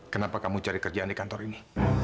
kenapa kamu cari kerjaan di kantor ini